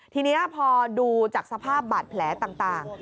ทีนี้พอดูจากสภาพบาดแผลต่าง